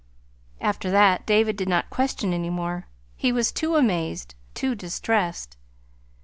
After that David did not question any more. He was too amazed, too distressed.